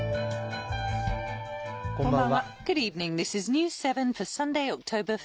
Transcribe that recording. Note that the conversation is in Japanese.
こんばんは。